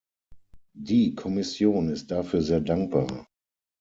Die Kommission ist dafür sehr dankbar.